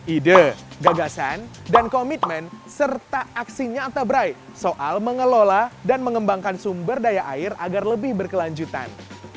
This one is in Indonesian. ide gagasan dan komitmen serta aksi nyata brai soal mengelola dan mengembangkan sumber daya air agar lebih berkelanjutan